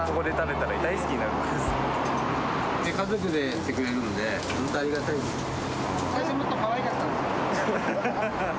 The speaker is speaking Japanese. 家族で来てくれるんで、本当ありがたいです。